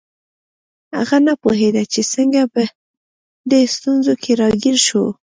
هغه نه پوهیده چې څنګه په دې ستونزه کې راګیر شو